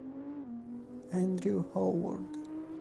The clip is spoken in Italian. Andrew Howard